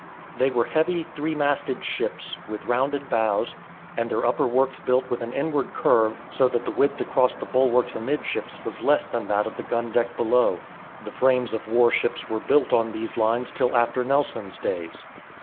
They were heavy three masted ships, with rounded bows, and their upper works built with an inward curve, so that the width across the bulwarks amidships was less than that of the gundeck below. The frames of warships were built on these lines till after Nelson's days.